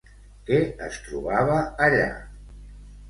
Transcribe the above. Què es trobava allà?